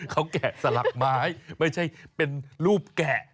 เขาแกะสลักไม้ไม่ใช่เป็นรูปแกะ